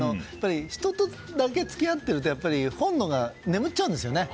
人とだけ付き合っていると本能が眠っちゃうんですよね。